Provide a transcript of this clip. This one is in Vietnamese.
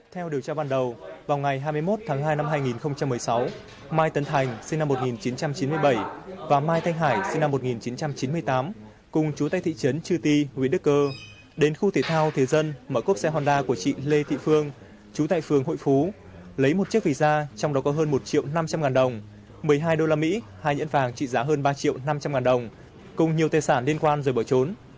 theo điều tra ban đầu vào ngày hai mươi một tháng hai năm hai nghìn một mươi sáu mai tấn thành sinh năm một nghìn chín trăm chín mươi bảy và mai thanh hải sinh năm một nghìn chín trăm chín mươi tám cùng chú tại thị trấn chư ti huyện đức cơ đến khu thể thao thế dân mở cốt xe honda của chị lê thị phương chú tại phường hội phú lấy một chiếc visa trong đó có hơn một triệu năm trăm linh ngàn đồng một mươi hai đô la mỹ hai nhẫn vàng trị giá hơn ba triệu năm trăm linh ngàn đồng cùng nhiều tài sản liên quan rồi bỏ trốn